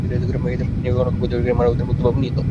এই অনৈক্যবোধেই মানবের মুক্তভাব নিহিত।